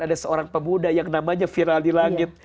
ada seorang pemuda yang namanya firali langit